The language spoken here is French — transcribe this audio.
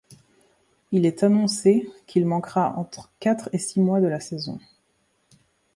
Il est annoncé qu'il manquera entre quatre et six mois de la saison.